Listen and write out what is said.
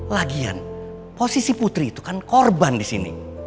lagian posisi putri itu kan korban di sini